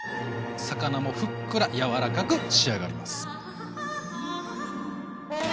魚もふっくら柔らかく仕上がります。